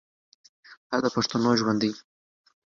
دا د پښتنو ژوند دی.